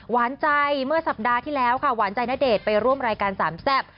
หวานใจเมื่อสัปดาห์ที่แล้วค่ะหวานใจณเดชน์ไปร่วมรายการสามแซ่บ